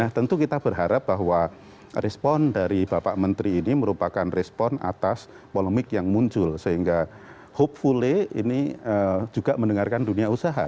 nah tentu kita berharap bahwa respon dari bapak menteri ini merupakan respon atas polemik yang muncul sehingga hopefully ini juga mendengarkan dunia usaha